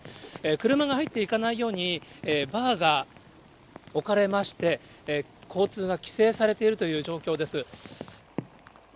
車が入っていかないようにバーが置かれまして、交通が規制されているという状況です。